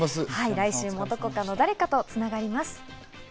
来週もどこかの誰かとつながります。